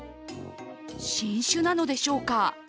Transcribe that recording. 新種なのでしょうか。